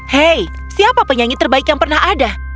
hei siapa penyanyi terbaik yang pernah ada